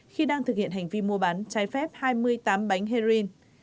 khi đang thực hiện hành vi mua bán trái phép hai mươi tám bánh heroin